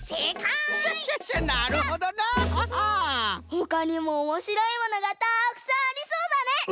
ほかにもおもしろいものがたくさんありそうだね。